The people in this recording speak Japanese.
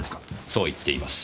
そう言っています。